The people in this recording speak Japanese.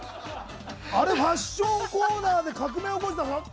あれ、ファッションコーナーで革命を起こした。